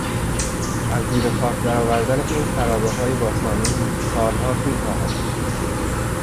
از زیر خاک درآوردن این خرابههای باستانی سالها طول خواهد کشید.